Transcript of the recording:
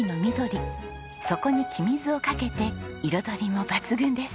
そこに黄身酢をかけて彩りも抜群です。